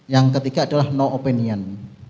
yang ketiga adalah no opinion